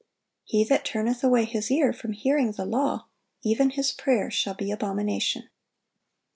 "He that turneth away his ear from hearing the law, even his prayer shall be abomination."